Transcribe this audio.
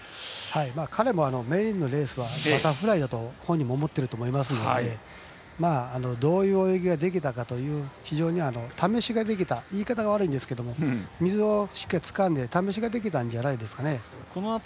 彼もメインのレースはバタフライだと本人も思っていると思いますのでどういう泳ぎができたか言い方は悪いんですけど水をしっかりつかんで試しができたんじゃないかなと思います。